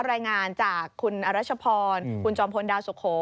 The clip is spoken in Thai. รายงานจากคุณอรัชพรคุณจอมพลดาวสุโข